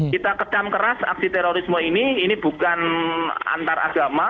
kita ketam keras aksi terorisme ini ini bukan antaragama